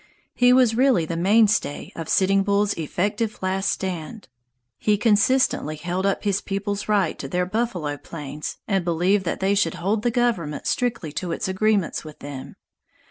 He was really the mainstay of Sitting Bull's effective last stand. He consistently upheld his people's right to their buffalo plains and believed that they should hold the government strictly to its agreements with them.